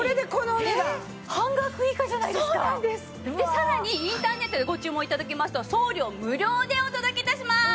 さらにインターネットでご注文頂きますと送料無料でお届け致します。